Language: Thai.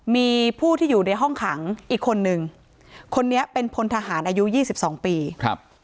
มีผู้ที่อยู่ในห้องขังอีกคนนึงคนนี้เป็นพลทหารอายุยี่สิบสองปีครับ